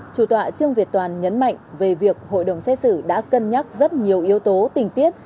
chủ tọa trương việt toàn nhấn mạnh về việc hội đồng xét xử đã cân nhắc rất nhiều yếu tố tình tiết